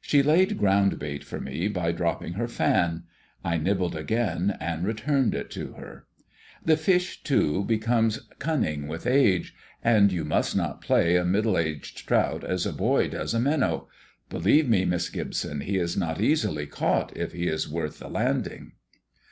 She laid groundbait for me by dropping her fan. I nibbled again, and returned it to her. "The fish, too, becomes cunning with age; and you must not play a middle aged trout as a boy does a minnow. Believe me, Miss Gibson, he is not easily caught, if he is worth the landing."